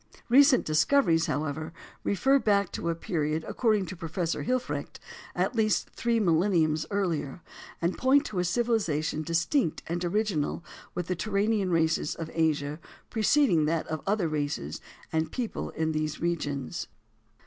Recent discoveries, however, refer back to a period, according to Prof. Hilfrecht, at least three milleniums earlier, and point to a civilization distinct and original with the Turanian races of Asia preceding that of other races and people in these regions.